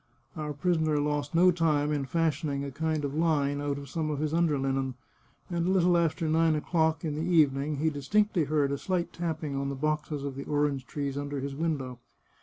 Our prisoner lost no time in fashioning a kind of line out of some of his under linen, and a little after nine o'clock in the evening he distinctly heard a slight tapping on the boxes of the orange trees under his window.